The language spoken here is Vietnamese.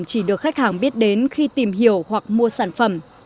chỉ được khách hàng biết đến khi tìm hiểu hoặc mua sản phẩm